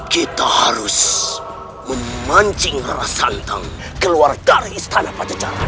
kita harus memancing rara santang keluar dari istana bacajaran